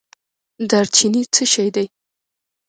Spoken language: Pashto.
دارچینی څه شی دی؟